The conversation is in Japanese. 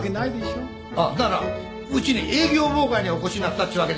だったらうちに営業妨害にお越しになったっちゅうわけで。